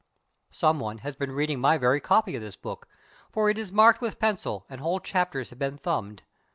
Someone has been reading my very copy of this book, for it is marked with pencil and whole chapters have been thumbed.